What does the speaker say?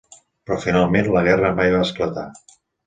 Però finalment la guerra mai va esclatar.